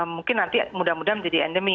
mungkin nanti mudah mudahan menjadi endemi